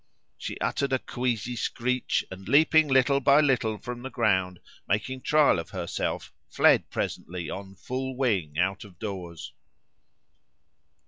She uttered a queasy screech; and, leaping little by little from the ground, making trial of herself, fled presently, on full wing, out of doors."